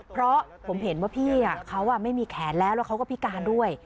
เพราะผมเห็นว่าพี่เขาไม่มีแขนแล้วแล้วเขาก็พิการด้วย